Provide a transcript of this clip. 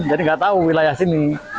jadi nggak tahu wilayah sini